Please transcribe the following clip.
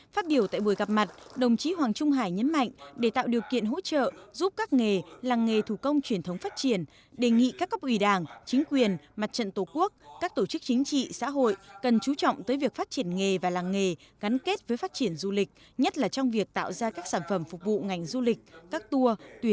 phát biểu tại buổi gặp mặt đồng chí hoàng trung hải nhấn mạnh để tạo điều kiện hỗ trợ giúp các nghề làng nghề thủ công truyền thống phát triển đề nghị các cấp ủy đảng chính quyền mặt trận tổ quốc các tổ chức chính trị xã hội cần chú trọng tới việc phát triển nghề và làng nghề gắn kết với phát triển du lịch